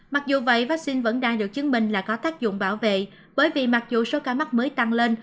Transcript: mặc dù vậy vaccine vẫn đang được chứng minh là có tác dụng bảo vệ bởi vì mặc dù số ca mắc mới tăng lên